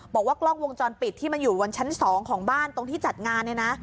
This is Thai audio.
บอกว่ากล้องวงจรปิดที่มันอยู่บนชั้น๒ของบ้านตรงที่จัดงานเนี่ยนะ